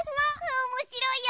おもしろいよ！